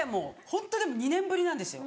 ホントでも２年ぶりなんですよ。